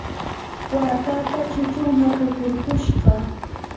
wakapa chuchun hakakurkushqa.